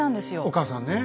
お母さんね。